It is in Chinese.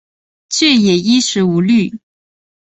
却也衣食无虑